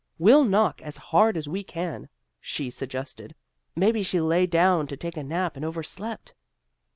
"We'll knock as hard as we can," she suggested. "Maybe she lay down to take a nap and overslept."